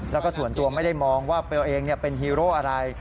แล้วก็ส่วนตัวไม่ได้มองว่าเบลเองเป็นฮีโร่อะไร